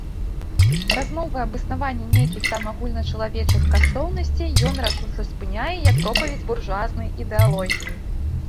Размовы аб існаванні нейкіх там агульначалавечых каштоўнасцей ён рашуча спыняе як пропаведзь буржуазнай ідэалогіі.